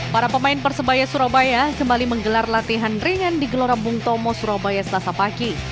para pemain persebaya surabaya kembali menggelar latihan ringan di gelora bung tomo surabaya selasa pagi